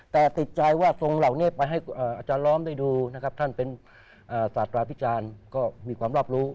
แต่ติดใจว่าทรงเหล่านี้ไปให้อาจารย์ล้อมได้ดูนะครับท่านเป็นศาสตราพิจารณ์ก็มีความรอบรู้